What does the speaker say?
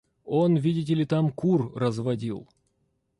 Он, видите ли, там кур разводил.